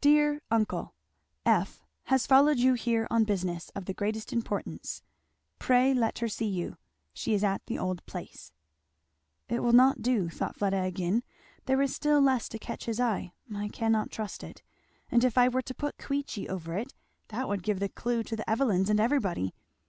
"_Dear uncle, F. has followed you here on business of the greatest importance. Pray let her see you she is at the old place_." "It will not do," thought Fleda again, "there is still less to catch his eye I cannot trust it. And if I were to put 'Queechy' over it, that would give the clue to the Evelyns and everybody.